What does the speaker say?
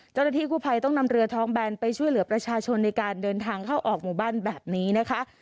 เจ้าหน้าที่กู้ภัยต้องนำเรือท้องแบนไปช่วยเหลือประชาชนในการเดินทางเข้าออกหมู่บ้านแบบนี้นะคะ